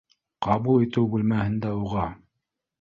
Ҡабул итеү бүлмәһендә уға: